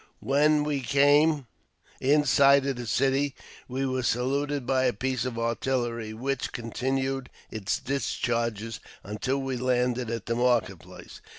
When we came in sight of the city we were saluted by a piece of artillery, which continued its discharges until we landed at the market place.